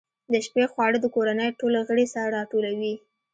د شپې خواړه د کورنۍ ټول غړي سره راټولوي.